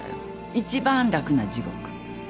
一番楽な地獄。